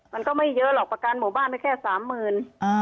มันก็ไม่เยอะหรอกประกันหมู่บ้านไปแค่สามหมื่น